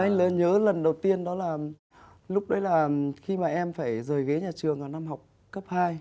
cái lần nhớ đầu tiên đó là lúc đấy là khi mà em phải rời ghế nhà trường vào năm học cấp hai